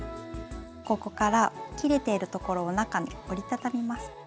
ここから切れているところを中に折りたたみます。